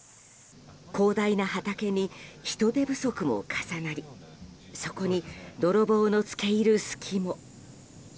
広大な畑に、人手不足も重なりそこに泥棒の付け入る隙も。